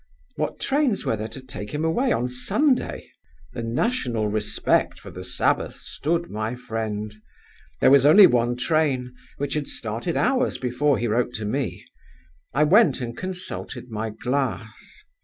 What trains were there to take him away on Sunday? The national respect for the Sabbath stood my friend. There was only one train, which had started hours before he wrote to me. I went and consulted my glass.